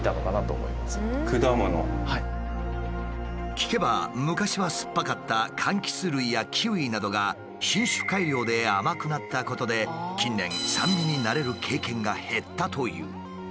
聞けば昔はすっぱかったかんきつ類やキウイなどが品種改良で甘くなったことで近年酸味に慣れる経験が減ったという。